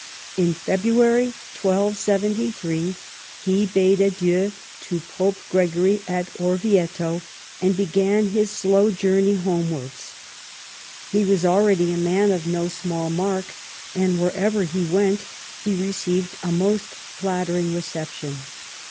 In February 1273 he bade adieu to Pope Gregory at Orvieto and began his slow journey homewards. He was already a man of no small mark, and wherever he went he received a most flattering reception.